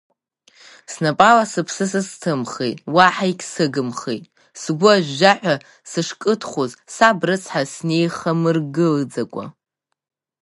Снапала сыԥсы сызҭымхит, уаҳа егьсыгымхеит, сгәы ажәжәаҳәа сышкыдхоз саб рыцҳа снеихамыргылаӡакәа…